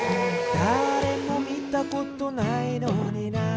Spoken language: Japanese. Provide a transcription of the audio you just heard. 「だれもみたことないのにな」